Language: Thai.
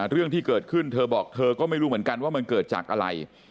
เรื่องที่เกิดขึ้นเธอบอกเธอก็ไม่รู้เหมือนกันว่ามันเกิดจากอะไร